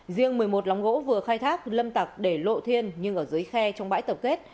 riêng một mươi một lóng gỗ vừa khai thác lâm tặc để lộ thiên nhưng ở dưới khe trong bãi tập kết